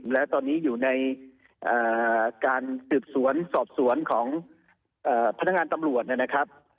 แล้วตอนนี้อยู่ในการสืบสวนสอบสวนของพนักงานตำรวจนะครับ